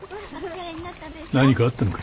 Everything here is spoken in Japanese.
何かあったのかい？